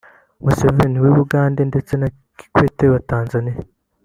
Museveni w’Ubugande ndetse na Kikwete wa Tanzaniya